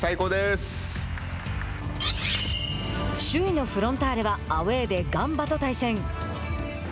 首位のフロンターレはアウェーでガンバと対戦。